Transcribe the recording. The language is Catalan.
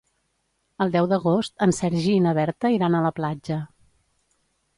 El deu d'agost en Sergi i na Berta iran a la platja.